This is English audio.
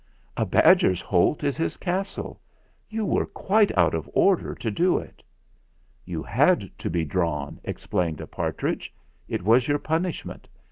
A badger's holt is his castle. You were quite out of order to do it." "You had to be drawn," explained a par tridge. "It was your punishment.